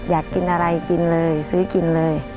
อยากกินอะไรกินเลยซื้อกินเลย